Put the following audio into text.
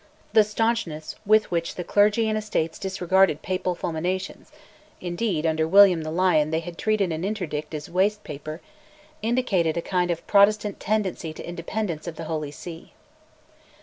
The staunchness with which the clergy and estates disregarded papal fulminations (indeed under William the Lion they had treated an interdict as waste paper) indicated a kind of protestant tendency to independence of the Holy See.